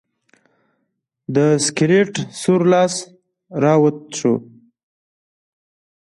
د سکلیټ سور لاس راوت شو.